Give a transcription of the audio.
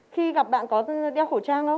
khi gặp bạn có đeo khẩu trang không